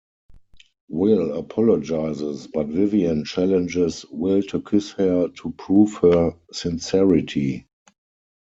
Wil apologizes, but Vivian challenges Wil to kiss her to prove her sincerity.